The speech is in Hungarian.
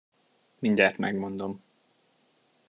Mindjárt megmondom.